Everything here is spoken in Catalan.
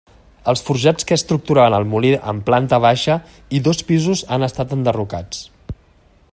Els forjats que estructuraven el molí en planta baixa i dos pisos han estat enderrocats.